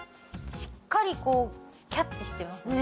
しっかりこうキャッチしてますね。